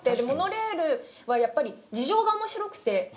モノレールはやっぱり事情が面白くて。